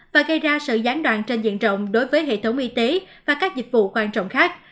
và gây ra sự gián đoạn trên diện rộng đối với hệ thống y tế và các dịch vụ quan trọng khác